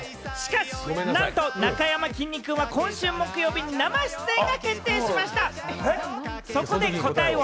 しかし、なんと、なかやまきんに君は今週木曜日、生出演が決定しました。